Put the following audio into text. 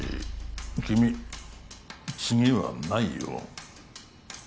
君次はないよ